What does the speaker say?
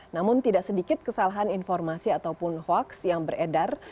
namun tidak sedikit kesalahan informasi ataupun hoaks yang beredar